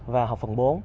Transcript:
và học phần bốn